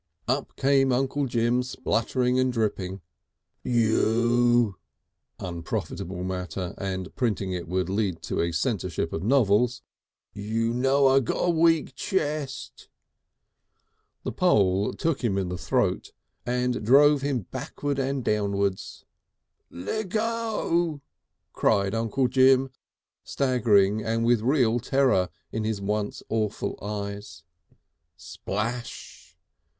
Up came Uncle Jim spluttering and dripping. "You (unprofitable matter, and printing it would lead to a censorship of novels)! You know I got a weak chess!" The pole took him in the throat and drove him backward and downwards. "Lea go!" cried Uncle Jim, staggering and with real terror in his once awful eyes. Splash!